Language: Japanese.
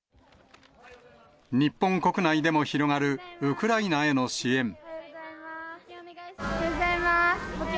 日本国内でも広がる、ウクライナへの支援。